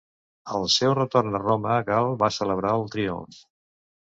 Al seu retorn a Roma Gal va celebrar el triomf.